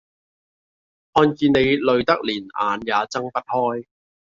看見你累得連眼也睜不開